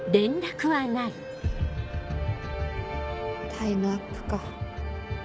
タイムアップか。